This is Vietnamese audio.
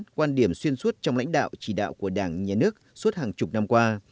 quan điểm xuyên suốt trong lãnh đạo chỉ đạo của đảng nhà nước suốt hàng chục năm qua